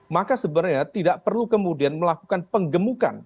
maka sebenarnya tidak perlu kemudian melakukan penggemukan